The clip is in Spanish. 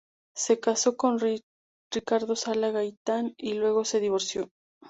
Se casó con Ricardo Sala Gaitán, y luego se divorció.